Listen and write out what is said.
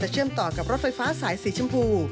เชื่อมต่อกับรถไฟฟ้าสายสีชมพู